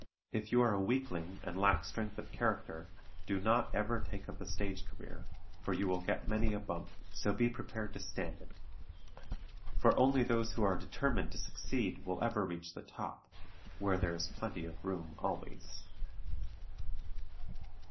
If you are a weakling and lack strength of character do not ever take up a stage career, for you will get many a bump; so be prepared to stand it. For only those who are determined to succeed will ever reach the top, where there is plenty of room always.